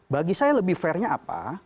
bagi saya lebih fairnya apa